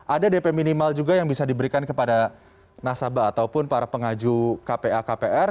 ada dp minimal juga yang bisa diberikan kepada nasabah ataupun para pengaju kpa kpr